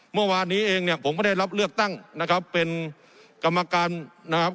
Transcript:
เมื่อวานนี้เองเนี่ยผมก็ได้รับเลือกตั้งนะครับเป็นกรรมการนะครับ